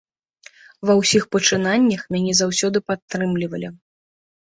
Ва ўсіх пачынаннях мяне заўсёды падтрымлівалі.